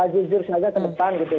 jujur saja ke depan gitu ya